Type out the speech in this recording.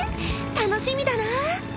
楽しみだな。